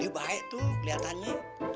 dia baik tuh kelihatannya